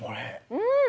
うん！